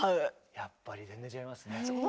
やっぱり全然違いますね。